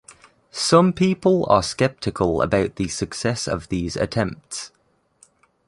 Some people are skeptical about the success of these attempts.